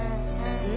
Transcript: うん？